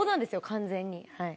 完全に。